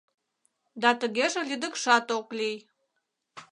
Да тыгеже лӱдыкшат ок лий.